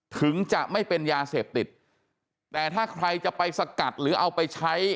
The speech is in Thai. ถึงจะไม่เป็นยาเสพติดแต่ถ้าใครจะไปสกัดหรือเอาไปใช้